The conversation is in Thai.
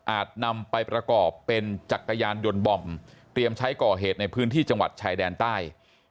นำไปประกอบเป็นจักรยานยนต์บอมเตรียมใช้ก่อเหตุในพื้นที่จังหวัดชายแดนใต้